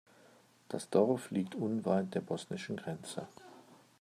Das Dorf liegt unweit der bosnischen Grenze.